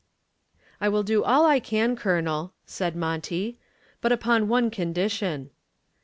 "I will do all I can, Colonel," said Monty, "but upon one condition."